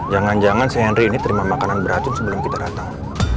jangan jangan si henry ini terima makanan berat sebelum kita datang